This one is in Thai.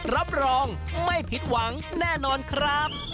รับรองไม่ผิดหวังแน่นอนครับ